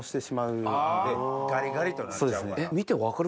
ガリガリとなっちゃうから。